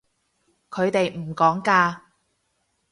佢哋唔趕㗎